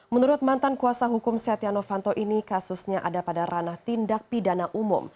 menurut mantan kuasa hukum setia novanto ini kasusnya ada pada ranah tindak pidana umum